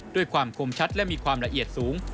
ความคมชัดและมีความละเอียดสูง